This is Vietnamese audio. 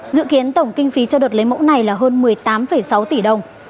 dự kiến tổng kinh phí cho đợt lấy mẫu này là hơn một mươi tám sáu tỷ đồng